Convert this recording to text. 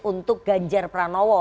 untuk ganjar pranowo